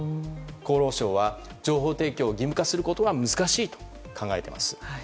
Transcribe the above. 厚労省は、情報提供を義務化することは難しいと考えています。